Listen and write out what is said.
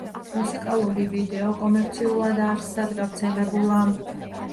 მუსიკალური ვიდეო კომერციულად არსად გავრცელებულა.